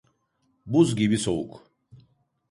Buz gibi soğuk.